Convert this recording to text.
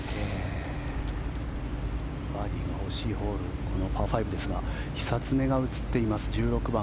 バーディーが欲しいホールこのパー５ですが久常が映っています、１６番。